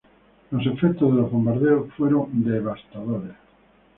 Los efectos de los bombardeos fueron devastadores.